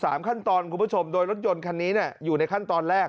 ขั้นตอนคุณผู้ชมโดยรถยนต์คันนี้อยู่ในขั้นตอนแรก